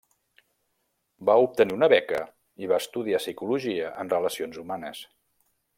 Va obtenir una beca i va estudiar psicologia en relacions humanes.